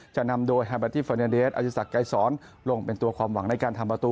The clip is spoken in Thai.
จะนำโดยอาริสตักไกรสรรด์ลงเป็นตัวความหวังในการทำประตู